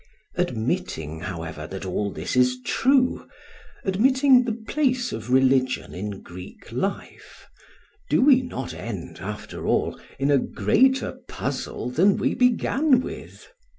Admitting, however, that all this is true, admitting the place of religion in Greek life, do we not end, after all, in a greater puzzle than we began with?